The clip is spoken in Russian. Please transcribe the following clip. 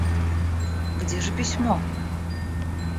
Где же письмо?